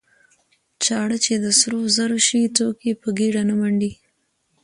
ـ چاړه چې د سرو زرو شي څوک يې په ګېډه نه منډي.